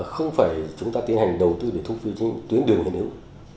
không phải chúng ta tiến hành đầu tư để thúc phí tuyến đường hiện ứng